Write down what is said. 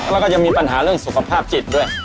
แล้วก็ยังมีปัญหาเรื่องสุขภาพจิตด้วย